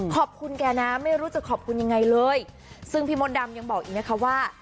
ขอบคุณแกนะไม่รู้จะขอบคุณยังไงเลยซึ่งพี่มดดำยังบอกอีกนะคะว่า